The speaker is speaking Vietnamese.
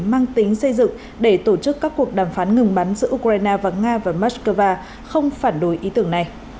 mang tính xây dựng để tổ chức các cuộc đàm phán ngừng bắn giữa ukraine và nga và moscow không phản đối ý tưởng này